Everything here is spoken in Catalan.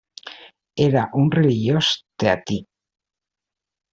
Era un religiós teatí.